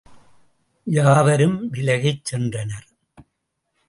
யாவரும் விலகிச் சென்றனர்.